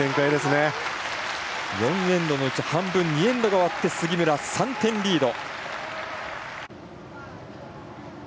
４エンドのうち半分の２エンド終わって杉村、３点リード。